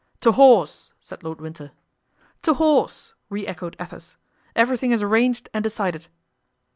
"To horse!" said Lord Winter. "To horse!" re echoed Athos; "everything is arranged and decided."